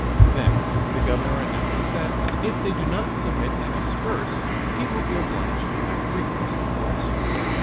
Then the governor announces that if they do not submit and disperse, he will be obliged to have recourse to force.